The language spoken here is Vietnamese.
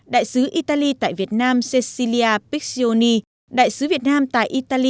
đại sứ italy tại việt nam cecilia pizzioni đại sứ việt nam tại italy